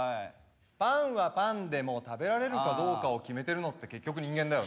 パンはパンでも食べられるかどうかを決めてるのって結局人間だよね。